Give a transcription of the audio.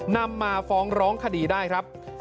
นำมาฟ้องร้องคดีได้ครับ